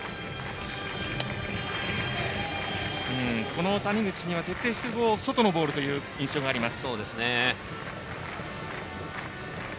この谷口には徹底して外のボールという印象があります。